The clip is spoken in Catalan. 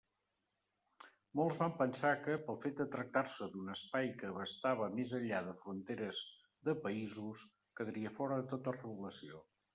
Molts van pensar que, pel fet de tractar-se d'un espai que abastava més enllà de fronteres de països, quedaria fora de tota regulació.